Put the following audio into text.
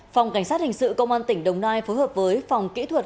phòng cảnh sát hình sự công an tỉnh đồng nai phối hợp với phòng kỹ thuật